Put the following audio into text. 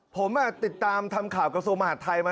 ผมติดตามทำข่าวกระทรวงมหาดไทยมา